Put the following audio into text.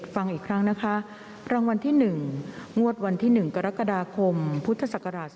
ฟังอีกครั้งนะคะรางวัลที่๑งวดวันที่๑กรกฎาคมพุทธศักราช๒๕๖